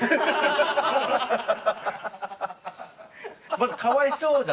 まずかわいそうじゃないのよ。